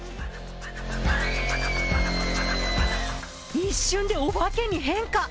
一瞬でお化けに変化。